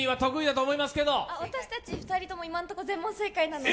私たち２人とも今のところ全問正解なので。